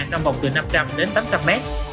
trong vòng từ năm trăm linh đến tám trăm linh mét